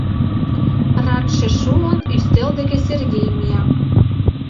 Ратше шуын, ӱстел деке Сергей мия.